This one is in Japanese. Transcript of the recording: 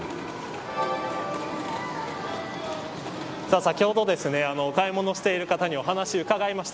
先ほどお買い物している方にお話を伺いました。